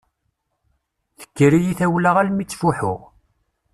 Tekker-iyi tawla almi ttfuḥuɣ.